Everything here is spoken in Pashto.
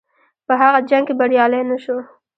په هغه جنګ کې بریالی نه شو.